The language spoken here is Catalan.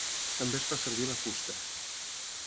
També es fa servir la fusta.